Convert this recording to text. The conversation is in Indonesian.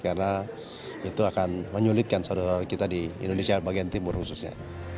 karena itu akan menyulitkan seorang orang kita di indonesia bagian timur khususnya